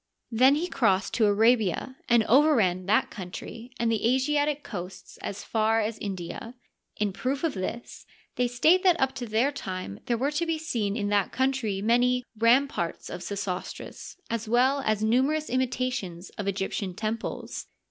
Then he crossed to Arabia and overran that coun try and the Asiatic coasts as far as India. In proof of this, they state that up to their time there were to be seen in that country many " ramparts of Sesostris," as well as numerous imitations of Egyptian temples.